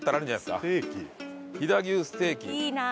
いいな。